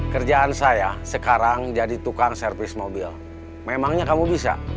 kerjaan saya sekarang jadi tukang servis mobil memangnya kamu bisa